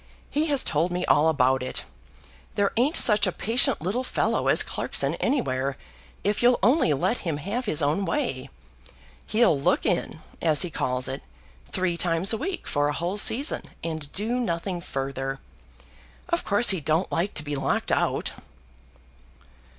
He has told me all about it. There ain't such a patient little fellow as Clarkson anywhere, if you'll only let him have his own way. He'll look in, as he calls it, three times a week for a whole season, and do nothing further. Of course he don't like to be locked out."